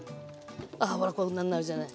あほらこんなになるじゃない。